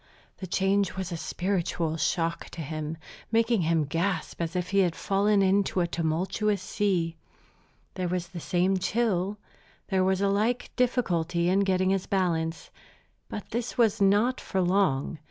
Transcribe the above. The change was a spiritual shock to him, making him gasp as if he had fallen into a tumultuous sea. There was the same chill, there was a like difficulty in getting his balance. But this was not for long.